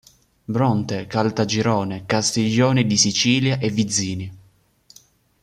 Bronte, Caltagirone, Castiglione di Sicilia e Vizzini.